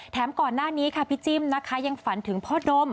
ก่อนหน้านี้ค่ะพี่จิ้มนะคะยังฝันถึงพ่อดม